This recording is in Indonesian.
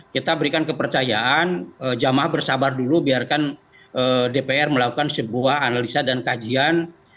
kita berikan kepercayaan jemaah bersabar dulu biarkan dpr melakukan sebuah analisa dan kajian